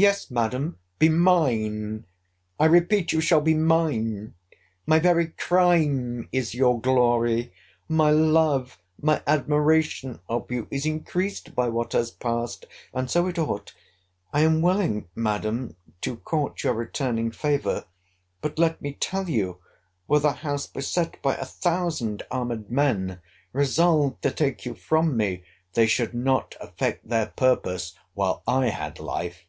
Yes, Madam, be mine! I repeat you shall be mine! My very crime is your glory. My love, my admiration of you is increased by what has passed—and so it ought. I am willing, Madam, to court your returning favour; but let me tell you, were the house beset by a thousand armed men, resolved to take you from me, they should not effect their purpose, while I had life.